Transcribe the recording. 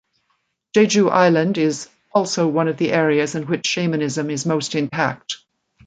Jeju Island is also one of the areas in which shamanism is most intact.